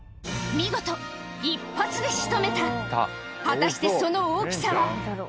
見事一発で仕留めた果たしてその大きさは？